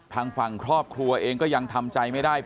ทางฝั่งครอบครัวเองก็ยังทำใจไม่ได้